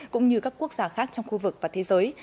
cũng như các quốc gia khác trong khu vực và thế giới